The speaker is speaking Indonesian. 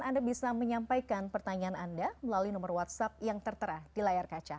anda bisa menyampaikan pertanyaan anda melalui nomor whatsapp yang tertera di layar kaca